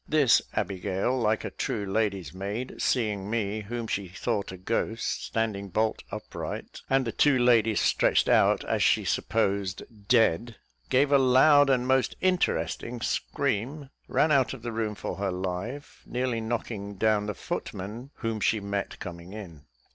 This Abigail, like a true lady's maid, seeing me, whom she thought a ghost, standing bolt upright, and the two ladies stretched out, as she supposed, dead, gave a loud and most interesting scream, ran out of the room for her life, nearly knocking down the footman, whom she met coming in.